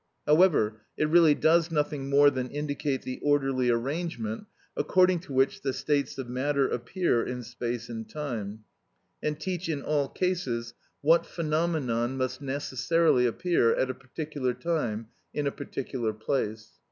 However, it really does nothing more than indicate the orderly arrangement according to which the states of matter appear in space and time, and teach in all cases what phenomenon must necessarily appear at a particular time in a particular place.